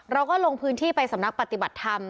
เราก็ลงพื้นที่ไปสำนักปฏิบัติธรรม